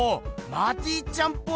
マティちゃんっぽい！